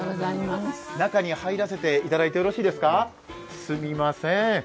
中に入らせていただいてよろしいですか、すみません。